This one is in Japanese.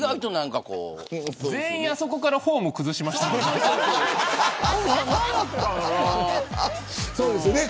全員あそこからフォーム崩しましたよね。